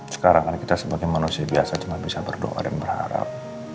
sekarang kan kita sebagai manusia biasa cuma bisa berdoa dan berharap